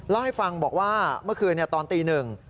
เล่าให้ฟังบอกว่าเมื่อคืนตอนตีหนึ่ง